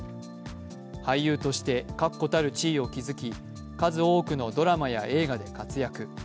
俳優として確固たる地位を築き、数多くのドラマや映画で活躍。